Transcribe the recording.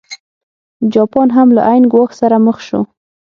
جاپان هم له عین ګواښ سره مخ شو.